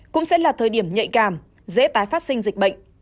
cũng sẽ là thời điểm nhạy cảm dễ tái phát sinh dịch bệnh